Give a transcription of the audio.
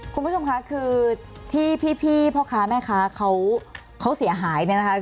คุณผู้ชมคะคือที่พี่พ่อค้าแม่ค้าเขาเสียหายเนี่ยนะคะ